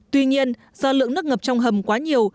tuy nhiên do lượng nước ngập trong hầm quá nhiều